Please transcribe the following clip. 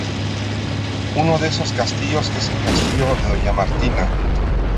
Uno de esos castillos es el castillo de Doña Martina.